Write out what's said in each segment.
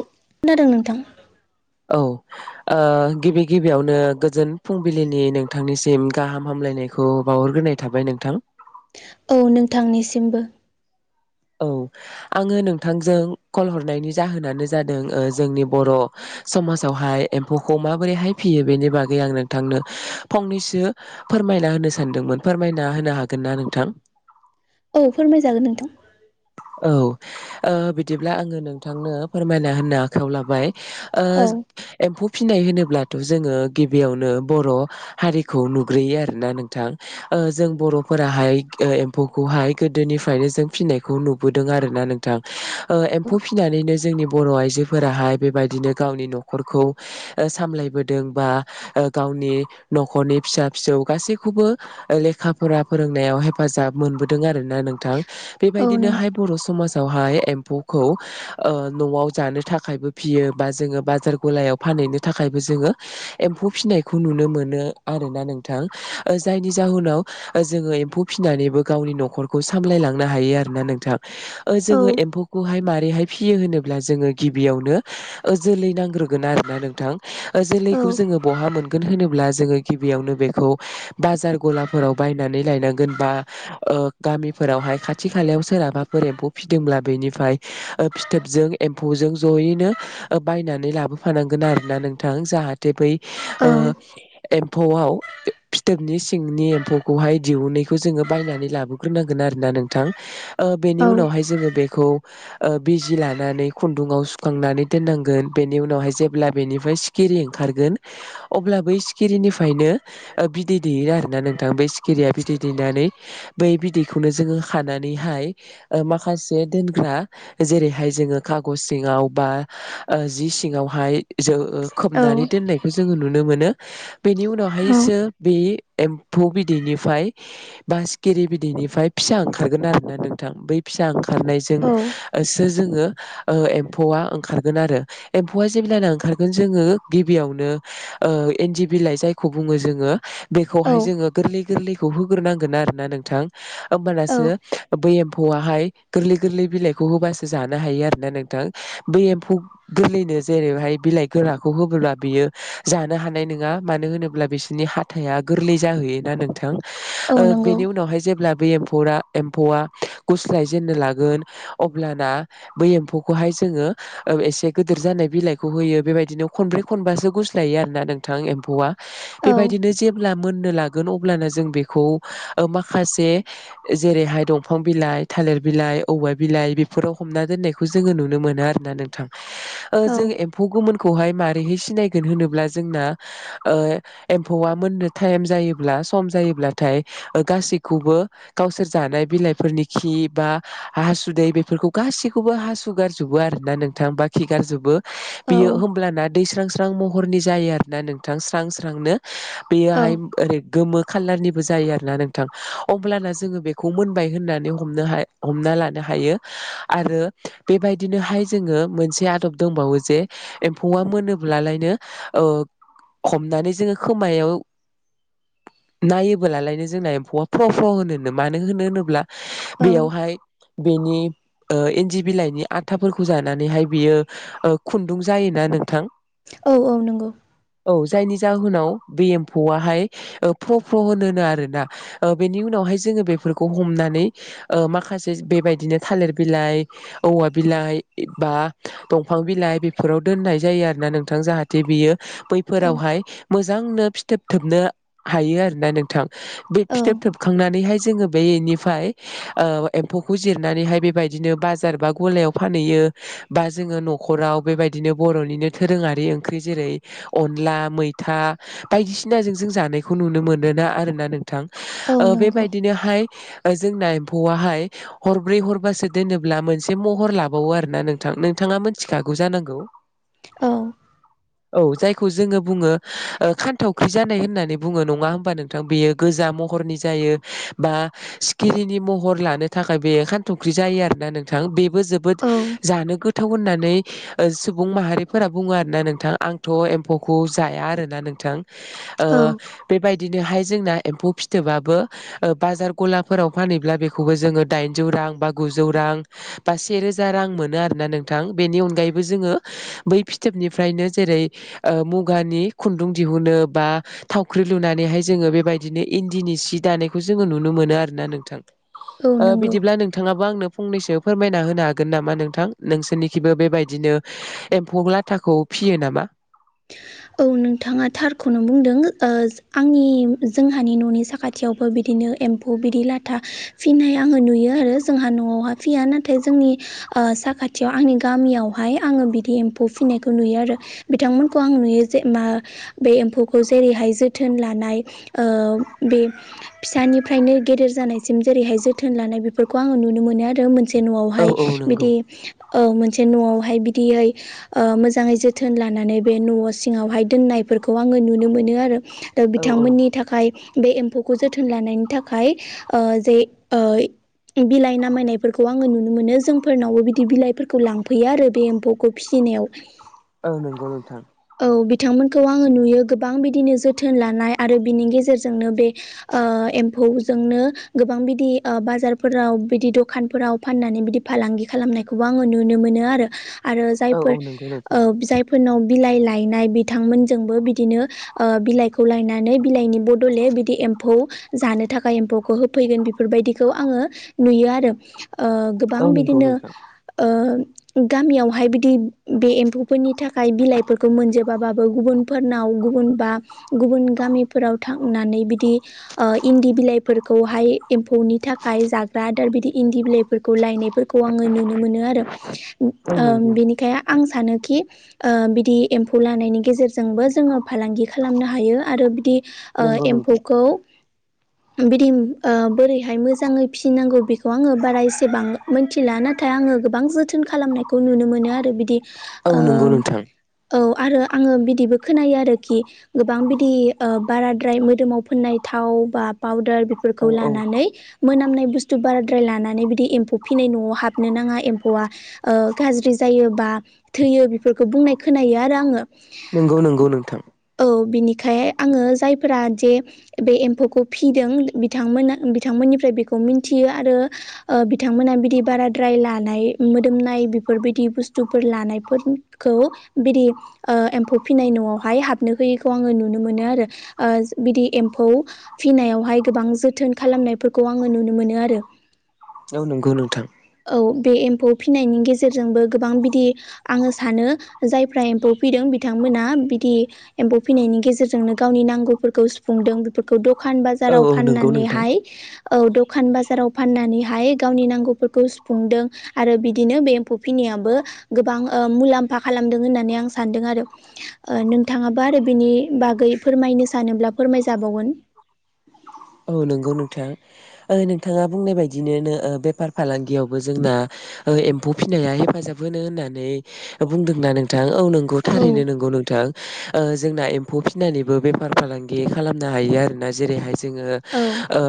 औ। खोनादों नोंथा। औ। गिबि गिबियावनो गोजोन फुंबिलिनि नोंथांनिसिम गाहाम हामलायनायखौ बावहरग्रोनाय थाबाय नोंथां। औ नोंथांनिसिमबो। औ आङो नोंथांजों कल हरनायनि जाहोनानो जादों जोंनि बर'। समाजावहाय एम्फौखौ माबोरैहाय फियो बेनि बागै आं नोंथांनो फंनैसो फोरमायना होनो सानदोंमोन, फोरमायना होनो हागोननाा नोंथां? औ फोरमायजागोन नोंथां। औ ओ बिदिब्ला आङो नोंथांनो फोरमायना होनो आखायाव लाबाय ओ औ एम्फु फिनाय होनोब्लाथ' जोङो गिबियावनो बर' हारिखौ नुग्रोयो आरोना नोंथां। ओ जों बर'फोराहाय एम्फौखौहाय गोदोनिफ्रायनो जों फिसिनाय नुबोदों आरोना नोंथां ओ एमफै फिनैनो जोंनि बर' आइजोफोराहाय बेबायदिनो गावनि न'खरखौ सामलायबोदों बा गावनि न'खरनि फिसा फिसौ गासैखौबो लेखाफोरा फोरोंनायाव हेफाजाब मोनो। मोनबोदों आरोना नोंथां औ बेबायदिनोहाय नंगौ बर' समाज हाय एम्फौखौ ओ न'आव जानो थाखायबो फिसियो बा जोङो बाजार गलायाव फा फनो थाखायबो जोङो एम्फौ फिसिनायखौ नुनो मोनो आरोना नों जायनि जाहोनाव जोङो एम्फौ फिसिनानैबो गावनि न'खरखौ सामलायलाङो सामलांनो हायो आरोना नोंथां औ जोंङो एमफैखौ फिसियो होनोबोला अब्ला जोङो गिबियावनो ओ जोलै नांग्रोगोन आरोना नोंथां। जोलैखौ औ जोङो बहा मोनगोन होनोब्ला जोङो गिबियावनो बेखौ बाजार गलाफोराव लायनांगोनबा ओ गामिफोरावहाय खाथि खालायाव सोरहाबाफोर एम्फौ फिदोंब्ला बेनिफ्राय फिथोबजों एम्फौजों जयैनो बायनानै लाबोफानांगोन आरोना नोंथां जाहाथे बै ओ औ एमफैआव फिथोबनि सिंनि एम्फौखौहाय दिहुनैखौ जोङो बायनानै लाबोग्रोनांगोन आरोना नोंथां नोंथां ओ बेनि औ उनावहाय जोङो बेखौ ओ बिजि लानानै खुन्दुुंवाव सुखांनानै दोननांगोन बेनि उनावहाय जेब्ला बेनिफ्राय सिखिरिओंखारगोन अब्ला बै सिखिरिनिफ्रायनो बिदै दै आरोना नोंथां बे केरिया बिदै दैनानै बै बिदैखौनो जोङो खानानैहाय माखासे दोनग्रा जेरैहाय जोङो खाग' सिङाव बा ओ जि सिङावहाय जों ओ औ खोमनानै दोननायखौ जोङो नुनो मोनो बेनि उनावहायसो बे एम्फौ बिदैनिफ्राय बास सिखिरि बिदैनिफ्राय फिसा ओं ओखारगोन आरोना नोंथां बै फिसा औ ओंखारनायजोंसो जोङो एम्फौआ ओंखार आरो एम्फौ जेब्ला ओंखारगोन जोंङो गिबियावनो ओ इनदिबिलाय जायखो बुङो बुङो जोङो औ बेखौहाय जोङो गोरलै गोरलैखौ होग्रोनांगोन आरोना नोंथां औ होमबानसो बै एफैय गोरलै गोरलै बिलाइखौ होबासो जानो हायो आरोना नोंथां बै एमफै गोरैनो जेरैहाय बिलाइ गोराखौ होबोब्ला बियो जानो हानाय नङा मानो होनोब्ला बिसोरनि हाथाया गोरलै जाहैयोना नोंथां औ नंगौ बेनि उनावहाय जेब्ला बे एम्फौ एम्फौआ गुस्लायजेननो लागोन अब्लाना बै एम्फौखौहाय जोङो एसे गिदिर जानाय बिलाइखौ होयो बेबायदिनो खनब्रै खनबासो गुस्लायो आर ना नोंथां एम्फौआ औ बेबायदिनो जेब्ला मोननो लागोन अब्लाना जोङो बेखौ माखासे जे जेरैहाय दंफां बिलाइ थालिर बिलाइ औवा बिलाइ बेफोराव हमना दोननायखौ जोङो नुनो मोनो आर ना नोंथां औ जों एम्फौ गोमोनखौहाय मा माहौ सिनायगोन होनोब्ला गावनि न'खरखौ सामलायलाङो जोंना ओ एफौआ मोनो एबा टायेम जायोबला सम जायोबल अब्लाथाय ओ गासैखौबो गावसोर जानाय बिलाइफोरनि खि बा हासुदै बेफोरखौ गासैखौबो हासुगारजोबो आरो । ना नोंथां बााखि गारजोबो। बियो होमब्लाना दै स्रां स्रां महरनि जायो आरोना नोंथां स्रां स्रांनो औ औ बेयोहाय ओरै गोमो खाालारनिबो जायो आरोना नोंथां अब्लाना जोङो बेखौ मोन होननानै हमनो हा हमना लानो हायो आरो बेबाय बिदिनोहाय जोङो मोनसे आदब दंबावो जे एम्फौआ मोनोब्लालायनो हमनानै जोङो खोमायाव नायोबो लालायनो जोंना एम्फौ फ्र' फ' होनो मानो होनो होनोब्ला औ बेयावहाय बेनि ओ इन्दि बिलाइनि आथाफोरखौ जानानैहाय बियो खुन्दुं जायोना नोंथां औ औ नंगौ। औ जायनि जाहोनाव बे एम्फौवाहाय फ्र फ्र होनोनो आरोना बेनि उनावहाय जोङो बेफोरखौ हमनानै ओ माखासे बेबायदिनो थालिर बिलाइ औवा बिलाइ बा दंफां बिलाइ बेफोराव दोननाय जायो आरो ना नोंथां जाहाथे बियो औ बैफोरावहाय मोजांनो फिथोबथोबनो हायो आरोना नोंथां बे औ फिथोब थोबखांनानैहाय जोङो बेनिफ्राय एम्फौखौ जिरनानैहाय बेबायदिनो बाजार बा गलायाव फानहैयो। बा जोङो न'खराव बेबायदिनो बर'निनो दोरोङारि ओंख्रि जेरै अनला मैथा बायदिसिनाजों जों जानायखौ नुनो मोनोना आरोना नोंथां। औ नंगौ हाय जोंना एम्फौआहाय हरब्रै हरबासो दोनोब्ला मोनसे महर लाबावो आरो ना। नोंथां नोंथाङा मिथिखागौ जानांगौ। औ औ जायखौ जोङो बुङो ओ खान्थावख्रि जानाय होननानै बुङो नङा होमबा नोंथां बेयो गोजा म महरनि जायो बा सिखिरिनि महर लानो थाखाय बे खान्थख्रि जायो आरोना नोंथां बे जोबोद औ जानो गो थाव होननानै सुबुं माहारिफोरा बुङो आरोना नोंथां आंथ' एम्फौखौ जाया आरोना नोंथां। ओ औ बेबायदिनोहाय जोंना एम्फौ फिथोबाबो ओ बाजार गलाफोराव फानहैब्ला बेखौ जोङो दाइजौ रां बा गुजौ रां बा रोजा रां मोन आरोना नोंथां बेनि अनगायैबो जोङो बै फिथोबनिफ्रायनो जेरै ओ मुगानि खुन्दुं दिहुनो बा थावख्रि लुनानैहाय जोङो बेबायदिनो इन्दिनि सि दानायखौ जोङो नुनो मोनो आरोना नोंथां। औ ओ नंगौ बिदिब्ला नोंथाङाबो आंनो फंनैसो फोरमायना होनो हागोन नामा नोंथां? नोंसोरनिखिबो बेबायदिनो एम्फौ लाथाखौ फियो नामा? औ नोंथाङा थारखौनो बुंदों ओ आंनि जोंहानि न'नि साखाथियावबो बिदिनो एम्फौ बिदि लाथा फिसिनाय आङो नुयो आरो जोंहा न'आवहा फैया नाथाय जोंनि ओ साखाथियाव आंनि गामियावहाय आं ङो बिदि एम्फौ फिसिनायखौ नुयो आरो बिथांमोनखौ आं नुयो जे मा- एम्फौखौ जेरैहाय जोथोन लानाय ओ बे फिसा निफ्रायनो गेदेर जानायसिम जेरैहाय जोथोन लानाय बेफोरखौ आङो नुनो मोनो आरो मोन औ न'आवहाय औ नंगौ। बिदि ओ मोनसे न'आवहाय बिदियै ओ मोजाङै जोथोन लानानै बे न'आव सिङावहाय दोननायफोरखौ आङो नुनो मोनो आरो ओ औ औ बिथांमोननि थाखाय बे एम्फौखौ जोथोन लानायनि थाखाय ओ जे ओ बिलाइ नामायनायफोरखौ आङो नुनो मोनो जोंफोरनावबो बिदि बिलाइफोरखौ लांफैयो आरो बे एम्फौखौ फिसियो। नायाव औ नंगौ नोंथां। औ बिथांमोनखौ आङो नुयो गोबां बिदिनो जोथोन लानाय आरो बिनि गेजेरजोंनो बे ओ एम्फौ जोंनो गोबां बिदि बाजारफोराव बिदि दखानफोराव फाननानै बिदि फालांगि खालामनायखौबो आङो नुनो मोनो आरो। आरो औ औ जायफोर नंगौ ओ नोंथां जायफोरनाव बिलाय लाय नाय बिथांमोनजोंबो बिदिनो ओ बिलाइखौ लायनानै बिलाइनि बदले बिदि एम्फौ जानो थाखाय एम्फौखौ होफैगोन बेफोरबायदिखौ आङो नुयो आरो। ओ गोबां औ नंगौ बिदिनो नोंथां ओ गामियावहाय बिदि बे एम्फौफोरनि थाखाय बिलाइफोर खौ मोनजोबाबाबो गुबुनफोरनाव गुबुन बा गुबुन गामिफोराव थांनानै बिदि ओ इन्दि बिलाइफोरखौहाय एम्फौनि थाखाय जाग्रा आदार बिदि इन्दि बिलाइफोरखौ लायनायफोरखौ आङो नुनो मोनो आरो। औ ओ नंगौ बिनिखाय आं सानोखिओ बिदि एम्फौ लानायनि गेजेरजों जोंबो जोङो फालांगि खालामनो हायो आरो बिदि ओ नंगौ नंगौ एम्फौखौ [inaudible] बिदि ओ बोरैहाय मोजाङै फिसिनांगौ बेखौ आंङो बारा एसेबां मोनथिला नाथाय आङो गोबां जोथोन खालामनायखौ नुनो मोनो आरो। बिदि औ ओ नंगौ नोंथां। औ आरो आङो बिदिबो खोनायो आरोखि गोबां बिदि ओ बाराद्राय मोदोमाव फोननाय था व बा पाउदार औ बेफोरखौ औ लानानै मोनामनाय बुस्थु बाराद्राय लानानै बिदि एम्फौ फिनाय न'आव हाबनो नाङा एम्फौआ ओ गाज्रि जायो बा थैयो बेफोरखौ बुंनाय खोनायो आरो आंङो नंगौ नंगौ नोंथां ओ बिनिखाय आंङो जायफोरा जे बे एम्फौखौ फिदों बिथांमोन बिथां निफ्राय बेखौ मिथियो आरो ओ बिथांमोना बिदि बाराद्राय लानाय मोदोमनाय बेफोर बा दि बुस्थु लानायफोरखौ बिदि ओ एम्फौ फिनाय नआवहाय हाबनो होयैखौ आंङो नुनो मोनो आरो बिदि एमफौ फौ फिनायावहाय गोबां जोथोन खालामनायफोरखौ आंङो नुनो मोनो आरो औ नंगौ नोंथां औ बे एम्फौ फिनायनि गेजेरजोंबो गोबां बिदि आंङो सानो जायफ्रा एम्फौ फिदों बिथांमोना बिदि एम्फौ फिनायनि गेजेरजोंनो गावनि नांगौफोरखौ सुफुं दों बेफोरखौ दखान औ बाजाराव औ नंगौ नोंथां फानानैहाय औ दखान बाजाराव फाननानैहाय गावनि नांगौफोरखौ सुफुंदों आरो बिदिनो बे एम्फौ फिनि फिनायाबो गोबां ओ मुलामफा खालामदों होननानै आं सानदों आरो नोंथाङाबा आरो बिनि बागै फोरमायनो सानोब्ला फो फोरमायजाबावगोन [inaudible] औ नंगौ नोंथां नोंथाङा बुंनाय बायदिनो नो बेफार फालांगियावबो जोंना एम्फौ फिसिनाया हेफाजाब होनो होननानै बुंदोंना नोंथां औ नंगौ औ गथारैनो नंगौ नोंथां जोंना एम्फौ फिनानैबो बेफार फालांगि खालामनो हायो आरोना जेरैहाय जोंङो औ ओ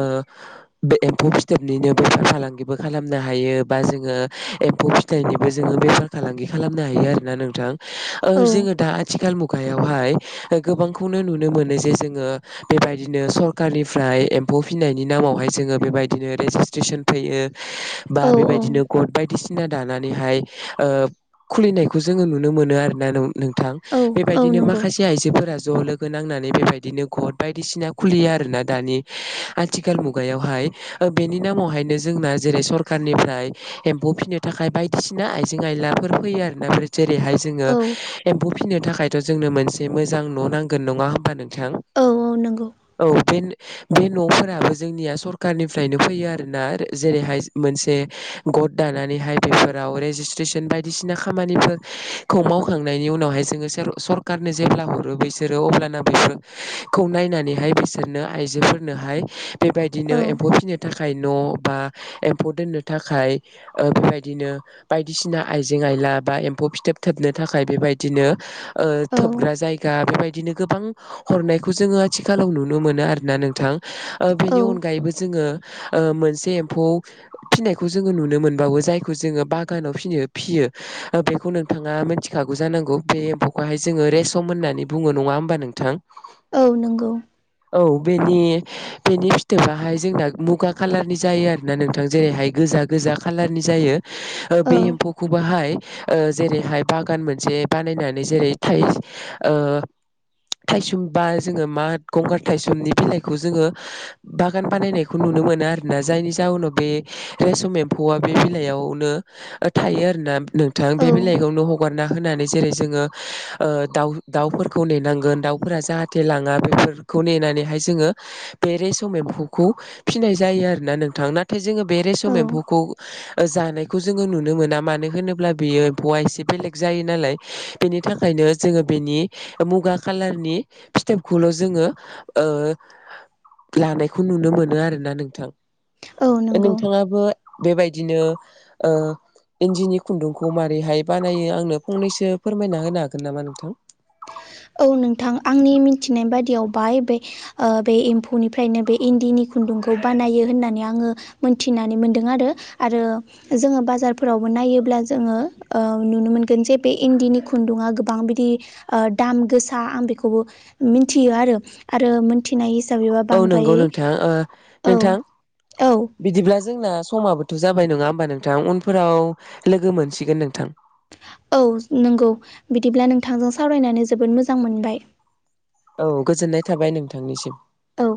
बे एम्फौ फिथोबनिनो बेफार फालांगिबो खालामनो हायो बा जोंङो एम्फौ फिथायनिबो जो बेफार फालांगि खालामनो हायो आरोना नोंथां ओ औ जोंङो दा आथिखाल मुगायावहाय गोबांखौनो नुनो मोनो जे जोंङो बेबायदिनो सर कारनिफ्राय एम्फौ फिसिनायनि नामावहाय जोंङो बेबायदिनो रेजिसट्रेसन फैयो बा औ बेबायदिनो गद बायदिसिना दानानै निहाय ओ खुलिनायखौ जोंङो नुनो मोनो आरोना नोंथां औ औ बेबायदिनो नंगौ माखासे आइजोफोरा ज लोगो नांनानै बेबायदिनो गद बायदिसिना खुलिया आरोना दानि आथिखाल मुगायावहाय बेनि नामावहायनो जोंना जेरै सरखारनिफ्राय एम्फौ फिसिनो थाखाय बायदिसिना आइजें आइलाफोर फैयो आरोना जेरैहाय जोंङो औ एम्फौ फिसिनो थाखायथ जोंनो मोनसे मोजां न नांगोन नङा होम होबा नोंथां औ औ नंगौ औ बे बे नफोराबो जोंनिया सरखारनिफ्रायनो फैयो आरोना जेरैहाय मोनसे गट दानानै बेफोराव रेजिसट्रेसन बायदिसिना खामानिफोरखौ मावखांनायनि उनावहाय सरखारनो जेब्ला हरो बिसोरो अब्लाना बेफोरखौ नायनानैहाय बि बिसोरनो आइजोफोरनोहाय औ बेबायदिनो एम्फौ फिसिनो थाखाय न बा एम्फौ दोननो थाखाय बेबायदिनो बायदिसिना आइजें आइला बा एम्फौ फिथोब थोबनो थाखाय बेबायदिनो ओ औ थोबग्रा जायगा बेबायदिनो गोबां हरनायखौ जोंङो आथिखालाव नुनो नुनो मोनो आरोना नोंथां बेनि औ अनगायैबो जोंङो ओ मोनसे एम्फौ फिसिनायखौ जोंङो नुनो मोनबावो जायखौ जोंङो बागानाव फियो फियो बेखौ नोंथाङा मिथिखागौ जानांगौ बे एम्फौखौहाय जोंङो रेसम होननानै बुङो नङा होमबा नोंथां औ नंगौ । औ बेनि बेनि फिथोबाहाय जोंना मुगा कालारनि जायो आरोोना नोंथां जेरैहाय गोजा गोजा खाालारनि जायो ओ औ बे एम्फौखौ बोहाय ओ जेरैहाय बागान मोनसे बानायनानै जेरै थाइ ओ थाइसुमबा जोङो मा गंगारथायाइ समनि बिलाइखौ जोङो बागान बानायनायखौ नुनो मोनो आरोना जायनि जाउोनाव बे रेसम एम्फौआ बे बिलयावनो थायो आरोना नोंथां औ बे बिलाइखौनो हगारना होनानै जेरै जोङो ओ दाउ दाउफोरखौ नेनांगोन दाउफोरा जाहाथे लाङा बेफोर खौ नेनानैहाय जोङो बे रेस'म एम्फौखौ फिसिनाय जायो आरोना नोंथां नाथाय जोङो बे रेसम औ एमफैखौ ओ जानाय खौ जोङो नुनो मोना मानो होनोब्ला बियो एम्फौआ एसे बेलेग जायो नालाय बेनि थाखायनो जोङो बेनि मुगा खालारनि फिथोबखौल' जोङो ओ लानायखौ नुनो मोनो आरोना नोंथां औ नंगौ नोंथाङाबो बेबायदिनो ओ इन्दिनि खुन्दुंखौ मारैहाय बानायो आंनो फंनैसो फोरमायना होनो हागोन नामा नोंथां । [inaudible] औ नोंथां आंनि मिथिनाय बादियाव बाय बे बे एम्फौनिफ्रायनो बे इन्दिनि खुनदुंखौ बानायो होनानै आङो मोनथिनानै मोनदों आरो आरो जोङो बाजार फोरावबो नायोब्ला जोङो ओ नुनो मोनगोन जे बे इन्दिनि खुन्दुङा गोबां बिदि ओ दाम गोसा आं बेखौबो मिथियो आरो आरो मोनथिनाय हिसाबैबा औ नंगौ बांद्रायै नोंथां ओ औ नोंथां औ बिदिब्ला जोंना समाबोथ' जाबाय नङा होमबा नोंथां उनफोराव लोगो मोनसिगोन नोंथां औ नंगौ बिदिब्ला नोंथांजों सावरायनानै जोबोद मोजां मोनबाय औ गोजोननाय थाबाय नोंथांनिसिम । औ ।